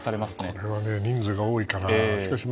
これは人数が多いから。